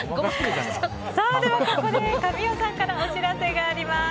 ここで神尾さんからお知らせがあります。